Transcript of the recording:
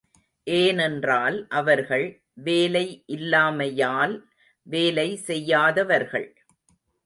ஏனென்றால் அவர்கள், வேலை இல்லாமையால் வேலை செய்யாதவர்கள்.